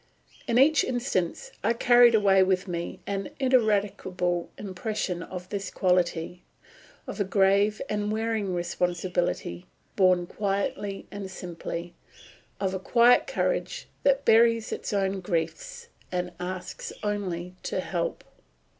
In each instance I carried away with me an ineradicable impression of this quality of a grave and wearing responsibility borne quietly and simply, of a quiet courage that buries its own griefs and asks only to help.